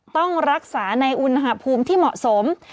ต้องรักษาในอุณหภูมิที่เหมาะสม